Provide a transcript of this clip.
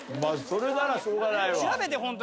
それならしょうがないわ。